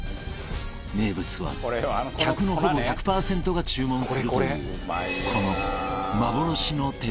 名物は客のほぼ１００パーセントが注文するというこの